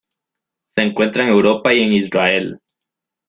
Se encuentra en Europa y en Israel.